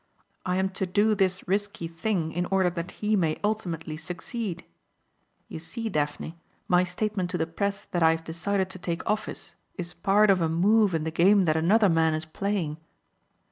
I am to do this risky thing in order that he may ultimately succeed. You see, Daphne, my statement to the press that I have decided to take office is part of a move in the game that another man is playing."